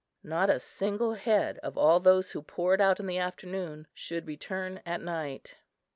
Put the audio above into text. Not a single head of all those who poured out in the afternoon should return at night.